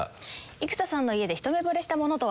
生田さんの家でひと目ぼれした物とは？